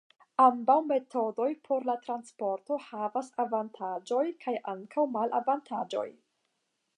Ambaŭ metodoj por la transporto havas kaj avantaĝoj kaj ankaŭ malavantaĝoj.